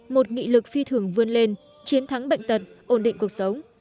một nghị lực phi thường vươn lên chiến thắng bệnh tật ổn định cuộc sống